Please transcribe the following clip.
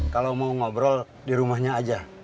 kalo mau ngobrol dirumahnya aja